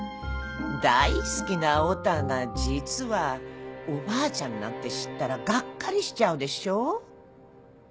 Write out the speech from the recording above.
大好きなオタが実はおばあちゃんなんて知ったらがっかりしちゃうでしょ。